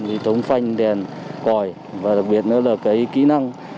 hệ thống phanh đèn còi và đặc biệt nữa là cái kỹ năng